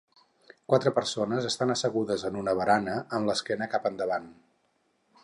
Quatre persones estan assegudes en una barana amb l'esquena cap endavant.